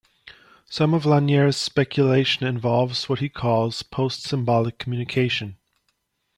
Some of Lanier's speculation involves what he calls post-symbolic communication.